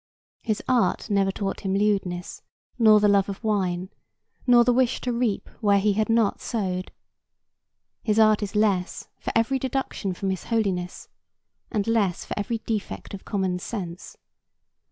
His art never taught him lewdness, nor the love of wine, nor the wish to reap where he had not sowed. His art is less for every deduction from his holiness, and less for every defect of common sense.